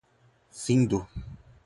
findo